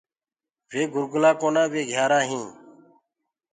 وي گُرگلآ ڪونآ وي گھيآرآ هينٚ اور